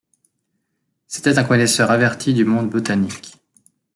C'était un connaisseur averti du monde botanique.